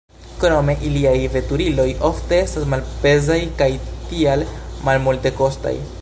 Krome iliaj veturiloj ofte estas malpezaj kaj tial malmultekostaj.